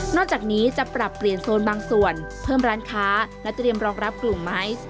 จากนี้จะปรับเปลี่ยนโซนบางส่วนเพิ่มร้านค้าและเตรียมรองรับกลุ่มไมซ์